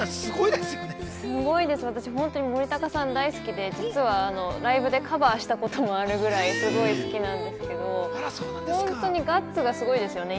私、森高さんがホントに好きで、ライブでカバーしたこともあるくらい、すごい好きなんですけど、本当にガッツがすごいですね。